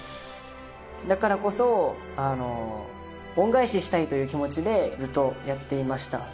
だからこそ恩返ししたいという気持ちでずっとやっていました。